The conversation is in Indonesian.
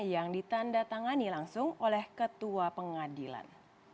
yang ditanda tangani langsung oleh ketua pengadilan